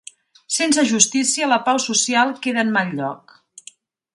Sense justícia, la pau social queda en mal lloc.